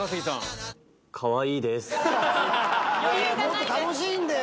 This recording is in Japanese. もっと楽しんでよ！